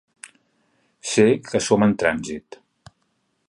Sé que som en trànsit.